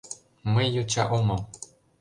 Мый йоча омыл...